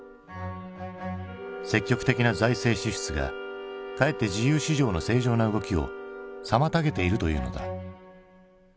積極的な財政支出がかえって自由市場の正常な動きを妨げているというのだ。